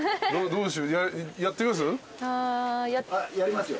やってみます？